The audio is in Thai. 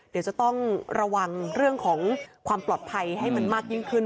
เดี๋ยวจะต้องระวังเรื่องของความปลอดภัยให้มันมากยิ่งขึ้น